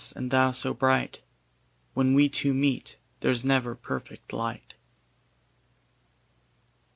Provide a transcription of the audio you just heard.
and thou so bright, When we two meet there's never perfect light.